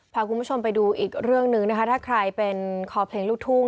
พาคุณผู้ชมไปดูอีกเรื่องหนึ่งนะคะถ้าใครเป็นคอเพลงลูกทุ่ง